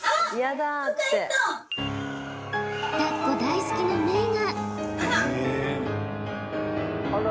だっこ大好きのメイがあらっ